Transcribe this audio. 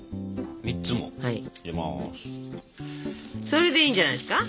それでいいんじゃないですか？